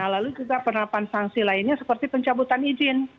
lalu juga penerapan sanksi lainnya seperti pencabutan izin